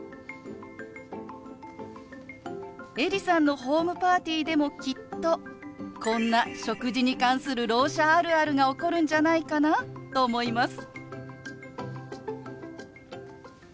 エリさんのホームパーティーでもきっとこんな食事に関するろう者あるあるが起こるんじゃないかなと思います。